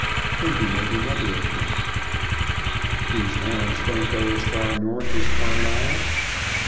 Then he made another attempt. "These hounds don't go as far north as Carlisle?"